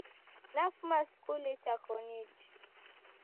Nafuma skulu itakoniji.